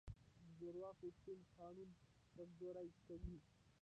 د زورواکو شتون قانون کمزوری کوي.